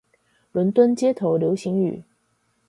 倫敦街頭流行語